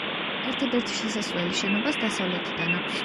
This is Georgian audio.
ერთადერთი შესასვლელი შენობას დასავლეთიდან აქვს.